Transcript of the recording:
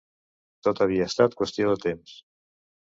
Tot havia estat qüestió de temps.